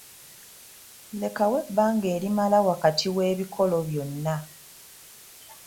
Lekawo ebbanga erimala wakati w'ebikolo byonna.